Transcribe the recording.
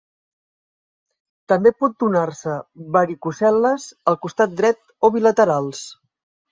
També pot donar-se varicoceles al costat dret o bilaterals.